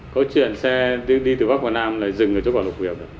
có chuyện xe đi từ bắc và nam lại dừng ở chỗ quả lục hiệp